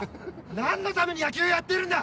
何のために野球やってるんだ！